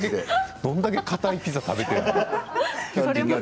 どれだけかたいピザを食べてるの？